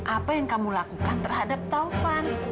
apa yang kamu lakukan terhadap taufan